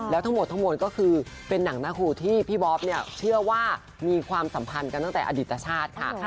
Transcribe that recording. แล้วทั้งหมดทั้งมวลก็คือเป็นหนังหน้าครูที่พี่บ๊อบเนี่ยเชื่อว่ามีความสัมพันธ์กันตั้งแต่อดิตชาติค่ะ